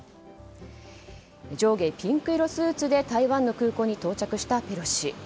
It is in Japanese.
上下ピンク色のスーツで台湾の空港に到着したペロシ氏。